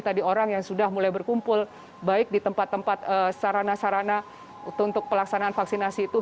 tadi orang yang sudah mulai berkumpul baik di tempat tempat sarana sarana untuk pelaksanaan vaksinasi itu